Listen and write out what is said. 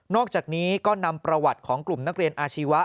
อกจากนี้ก็นำประวัติของกลุ่มนักเรียนอาชีวะ